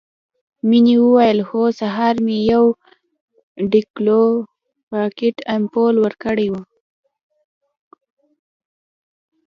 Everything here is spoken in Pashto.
مينې وويل هو سهار مې يو ډيکلوفينک امپول ورکړى و.